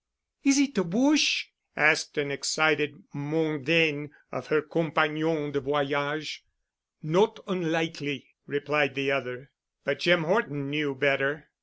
"Is it the Boches?" asked an excited mondaine of her compagnon de voyage. "Not unlikely," replied the other. But Jim Horton knew better.